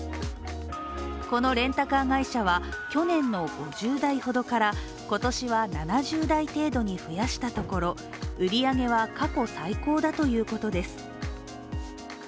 このレンタカー会社は去年の５０台ほどから今年は７０台程度に増やしたところ売り上げは過去最高だということです。